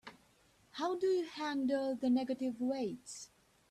How do you handle the negative weights?